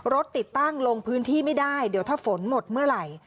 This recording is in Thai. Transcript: รถติดตั้งลงพื้นที่ไม่ได้เดี๋ยวถ้าฝนหมดเมื่อไหร่